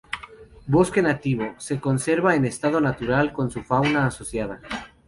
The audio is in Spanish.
Bosque nativo: se conserva en estado natural con su fauna asociada.